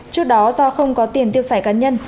trước đó do không có tiền tiêu xài cá nhân